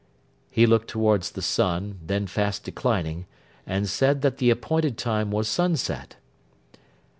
He looked towards the sun, then fast declining, and said that the appointed time was sunset.